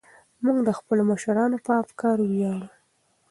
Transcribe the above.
موږ د خپلو مشرانو په افکارو ویاړو.